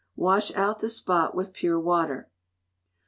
Wash out the spot with pure water.